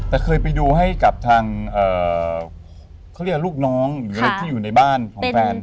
แต่เคยไปดูให้กับทางเขาเรียกลูกน้องหรืออะไรที่อยู่ในบ้านของแฟน